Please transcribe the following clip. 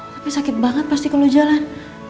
tapi sakit banget pasti kalau jalan